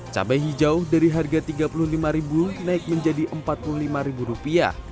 cabai hijau dari harga rp tiga puluh lima naik menjadi rp empat puluh lima